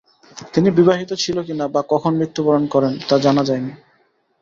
তিনি বিবাহিত ছিল কিনা বা কখন মৃত্যুবরণ করেন তা জানা যায়নি।